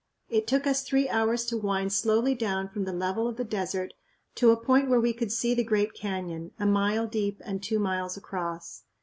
It took us three hours to wind slowly down from the level of the desert to a point where we could see the great canyon, a mile deep and two miles across.